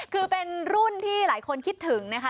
คือเป็นรุ่นที่หลายคนคิดถึงนะคะ